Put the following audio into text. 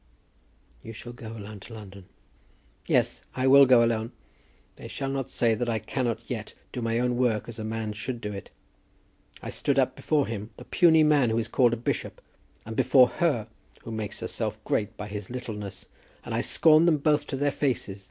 "You shall go alone to London." "Yes, I will go alone. They shall not say that I cannot yet do my own work as a man should do it. I stood up before him, the puny man who is called a bishop, and before her who makes herself great by his littleness, and I scorned them both to their faces.